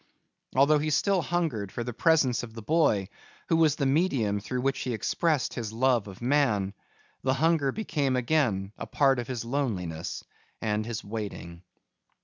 Although he still hungered for the presence of the boy, who was the medium through which he expressed his love of man, the hunger became again a part of his loneliness and his waiting.